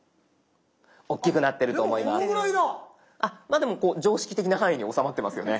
でも常識的な範囲に収まってますよね。